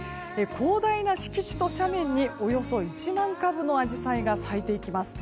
広大な敷地と斜面におよそ１万株のアジサイが咲いていきます。